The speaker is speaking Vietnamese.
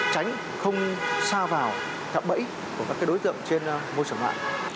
tránh không xa vào thạm bẫy của các đối tượng trên môi trường mạng